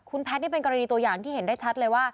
คุณแพทย์นี่เป็นกรณีตัวอย่างที่เห็นได้ชัดเลยว่า